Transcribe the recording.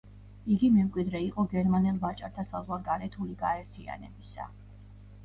იგი მემკვიდრე იყო გერმანელ ვაჭართა საზღვარგარეთული გაერთიანებისა.